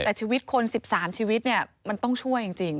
แต่ชีวิตคน๑๓ชีวิตเนี่ยมันต้องช่วยจริง